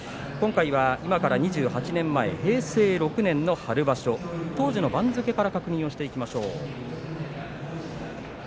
今回は今から２８年前平成６年の春場所当時の番付から確認をしていきましょう。